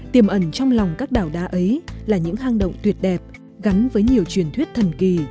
tiềm ẩn trong lòng các đảo đá ấy là những hang động tuyệt đẹp gắn với nhiều truyền thuyết thần kỳ